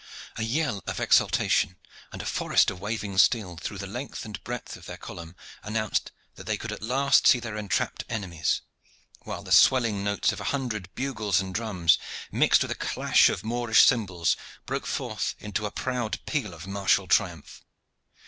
A yell of exultation, and a forest of waving steel through the length and breadth of their column, announced that they could at last see their entrapped enemies, while the swelling notes of a hundred bugles and drums, mixed with the clash of Moorish cymbals, broke forth into a proud peal of martial triumph.